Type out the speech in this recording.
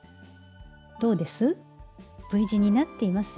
どうです？